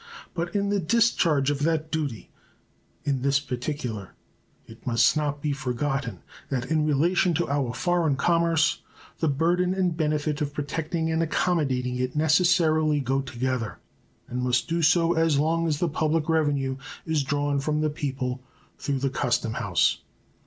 But in the discharge of that duty in this particular it must not be forgotten that in relation to our foreign commerce the burden and benefit of protecting and accommodating it necessarily go together, and must do so as long as the public revenue is drawn from the people through the custom house.